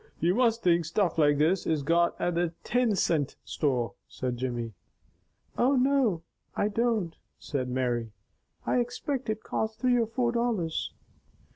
"You must think stuff like this is got at the tin cint store," said Jimmy. "Oh, no I don't!" said Mary. "I expect it cost three or four dollars."